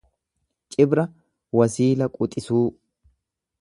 Cibra wasiila quxisuu